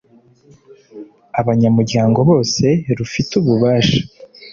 Abanyamuryango bose rufite ububasha